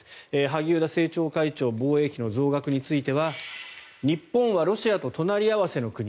萩生田政調会長防衛費の増額については日本はロシアと隣り合わせの国。